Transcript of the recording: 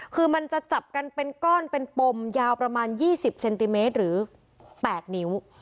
คือมันจะจับกันเป็นก้อนเป็นปมยาวประมาณ๒๐เซนติเมตรหรือ๘นิ้ว